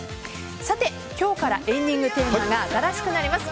さて、今日からエンディングテーマが新しくなります。